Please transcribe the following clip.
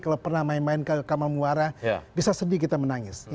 kalau pernah main main ke kamal muara bisa sedih kita menangis